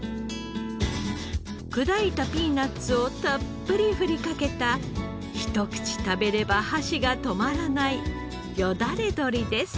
砕いたピーナッツをたっぷり振りかけたひと口食べれば箸が止まらないよだれ鶏です。